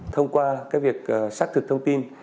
thông qua cái việc xác thực thông tin